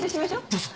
どうぞ。